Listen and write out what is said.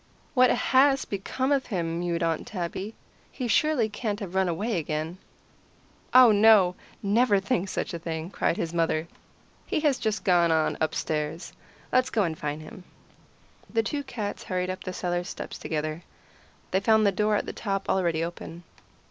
"What has become of him?" mewed Aunt Tabby. "He surely can't have run away again." "Oh, no! Never think such a thing," cried his mother. "He has just gone on upstairs. Let's go and find him." The two cats hurried up the cellar steps together. They found the door at the top already open.